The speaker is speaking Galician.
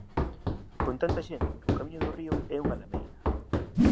Con tanta xente, o camiño do río é unha lameira